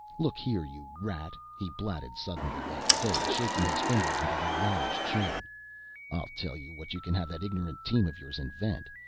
Look here, you rat," he blatted suddenly at Fay, shaking his finger under the latter's chin, "I'll tell you what you can have that ignorant team of yours invent.